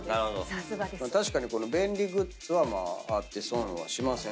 確かに便利グッズはあって損はしません。